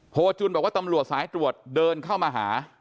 จุนบอกว่าตำรวจสายตรวจเดินเข้ามาหา